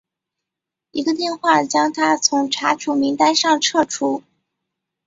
一个电话将他从查处名单上撤除。